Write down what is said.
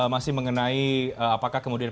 masih mengenai apakah kemudian